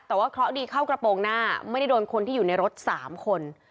แต่ว่าเคราะห์ดีเข้ากระโปรงหน้าไม่ได้โดนคนที่อยู่ในรถ๓คน